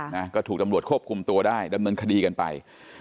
นะก็ถูกตำรวจควบคุมตัวได้ดำเนินคดีกันไป